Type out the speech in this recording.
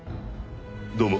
どうも。